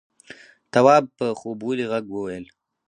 تواب په خوبولي غږ وويل: